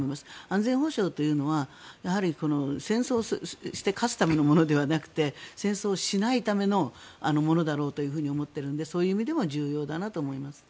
安全保障というのは戦争して勝つためのものではなくて戦争しないためのものだろうと思っているのでそういう意味でも重要だなと思います。